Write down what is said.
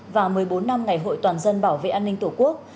và một mươi bốn năm ngày hội toàn dân bảo vệ an ninh tổ quốc